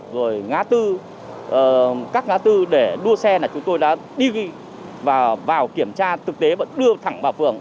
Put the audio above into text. rồi ngã tư các ngã tư để đua xe là chúng tôi đã đi và vào kiểm tra thực tế vẫn đưa thẳng vào phường